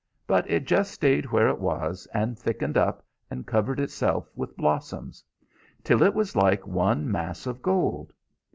But it just stayed where it was, and thickened up, and covered itself with blossoms, till it was like one mass of gold.